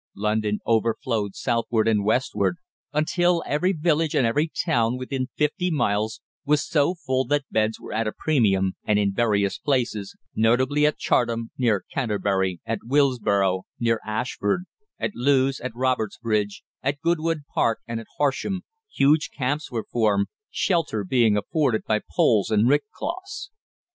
London overflowed southward and westward until every village and every town within fifty miles was so full that beds were at a premium, and in various places, notably at Chartham, near Canterbury, at Willesborough, near Ashford, at Lewes, at Robertsbridge, at Goodwood Park, and at Horsham, huge camps were formed, shelter being afforded by poles and rick cloths.